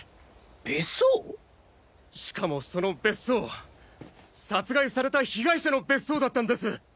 別荘？しかもその別荘殺害された被害者の別荘だったんです！